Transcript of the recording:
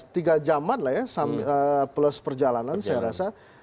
tiga jaman lah ya plus perjalanan saya rasa